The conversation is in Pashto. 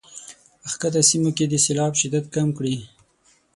په ښکته سیمو کې د سیلاب شدت کم کړي.